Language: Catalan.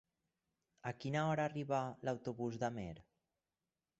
A quina hora arriba l'autobús d'Amer?